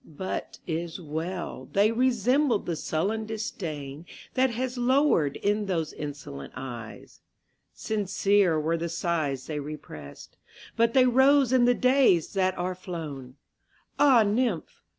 But 't is well!—they resemble the sullen disdainThat has lowered in those insolent eyes. Sincere were the sighs they represt, But they rose in the days that are flown! Ah, nymph!